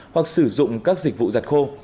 hoặc sử dụng các dịch vụ giặt khô